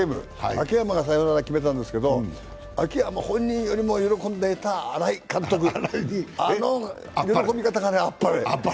秋山がサヨナラを決めたんですけど秋山本人よりも喜んでいた新井監督、あの喜び方があっぱれ。